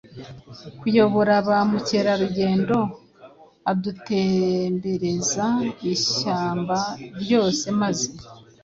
kuyobora ba mukerarugendo adutembereza ishyamba ryose, maze